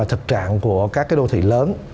thực trạng của các đô thị lớn